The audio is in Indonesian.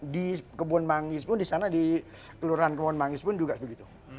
di kebun manggis pun di sana di kelurahan kebun mangis pun juga begitu